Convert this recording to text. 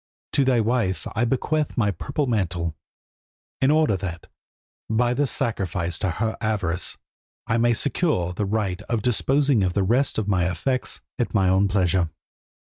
To thy wife I bequeath my purple mantle, in order that, by this sacrifice to her avarice, I may secure the right of disposing of the rest of my effects at my own pleasure.